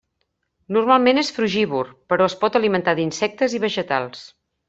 Normalment és frugívor, però es pot alimentar d'insectes i vegetals.